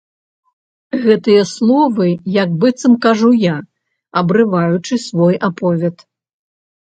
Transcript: Гэтыя словы як быццам кажу я, абрываючы свой аповед.